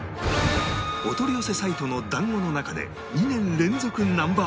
お取り寄せサイトの団子の中で２年連続 Ｎｏ．１